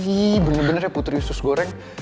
hi bener bener ya putri usus goreng